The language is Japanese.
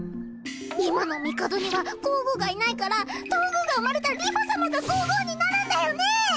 今の帝には皇后がいないから東宮が生まれた梨花さまが皇后になるんだよね